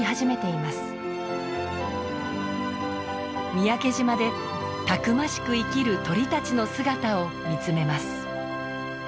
三宅島でたくましく生きる鳥たちの姿を見つめます。